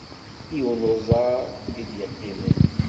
Yiwen uẓar i d-yeqqimen.